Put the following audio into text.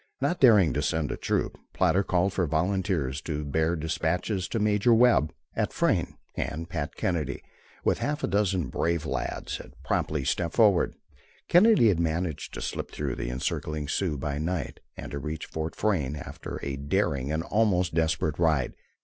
Not daring to send a troop, Plodder called for volunteers to bear despatches to Major Webb, at Frayne, and Pat Kennedy, with half a dozen brave lads, had promptly stepped forward. Kennedy had managed to slip through the encircling Sioux by night, and to reach Fort Frayne after a daring and almost desperate ride.